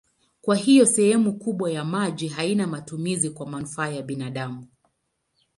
Kwa hiyo sehemu kubwa ya maji haina matumizi kwa manufaa ya binadamu.